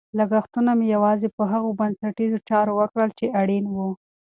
لګښتونه مې یوازې په هغو بنسټیزو چارو وکړل چې اړین وو.